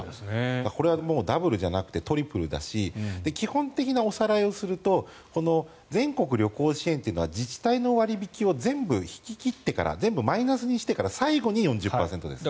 これはダブルじゃなくてトリプルだし基本的なおさらいをするとこの全国旅行支援というのは自治体の割引を全部引き切ってから全部マイナスにしてから最後に４０％です。